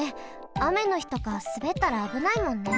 あめのひとかすべったらあぶないもんね。